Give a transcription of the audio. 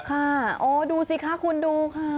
ค่ะดูสิค่ะคุณดูค่ะ